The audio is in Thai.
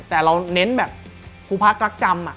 แต่เราเน้นแบบครูพักรักจำ